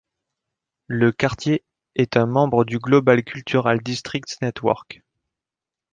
Le quartier est un membre du Global Cultural Districts Network.